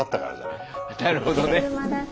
なるほどね。